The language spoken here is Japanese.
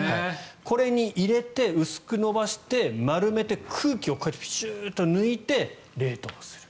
これに入れて、薄く延ばして丸めて、空気をこうやって抜いて冷凍する。